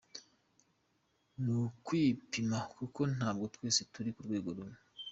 Ni ukwipima kuko ntabwo twese turi ku rwego rumwe.